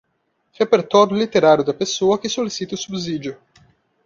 Repertório literário da pessoa que solicita o subsídio.